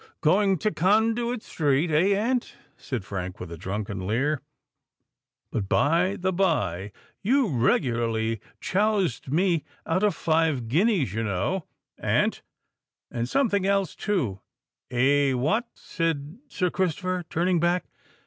"Going to Conduit Street—eh, aunt?" said Frank, with a drunken leer. "But, by the bye, you regularly choused me out of five guineas, you know, aunt—and something else, too——" "Eh?—what?" said Sir Christopher, turning back.